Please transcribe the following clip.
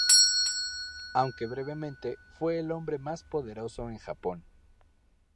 Aunque brevemente, fue el hombre más poderoso en Japón.